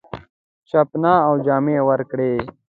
چپنه او جامې ورکړې.